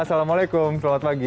assalamualaikum selamat pagi